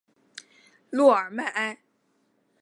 洛尔迈埃。